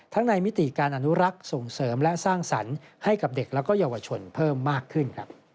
ในมิติการอนุรักษ์ส่งเสริมและสร้างสรรค์ให้กับเด็กและเยาวชนเพิ่มมากขึ้น